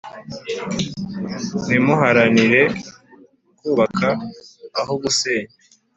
nimuharanire kubaka aho gusenya,